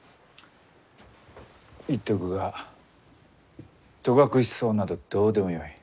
言っておくが戸隠草などどうでもよい。